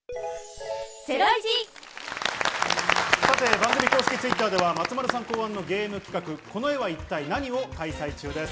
番組公式Ｔｗｉｔｔｅｒでは松丸さん考案のゲーム企画「この絵は一体ナニ！？」を開催中です。